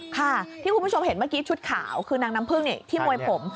ค่ะที่คุณผู้ชมเห็นเมื่อกี้ชุดขาวคือนางน้ำพึ่งที่มวยผม